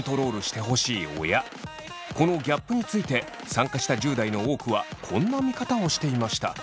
このギャップについて参加した１０代の多くはこんな見方をしていました。